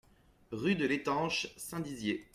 Rue de l'Etanche, Saint-Dizier